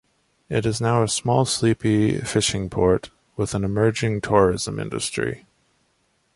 It is now a small sleepy fishing port with an emerging tourism industry.